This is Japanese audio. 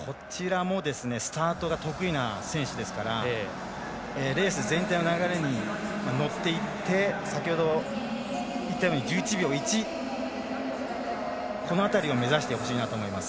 スタートが得意な選手ですからレース全体の流れに乗っていって先ほどいったように１１秒１この辺りを目指してほしいなと思います。